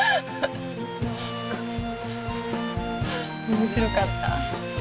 面白かった。